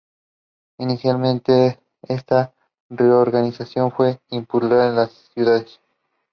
The show was made by Yorkshire Television and was popular with audiences.